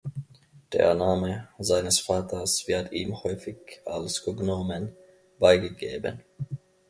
Der Name seines Vaters wird ihm häufig als Cognomen beigegeben.